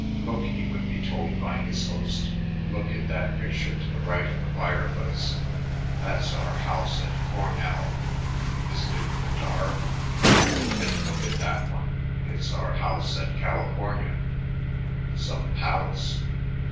"Look," he would be told by his host, "look at that picture to the right of the fireplace. That's our house at Cornell. Isn't it the darb? And look at that one. It's our house at California. Some palace.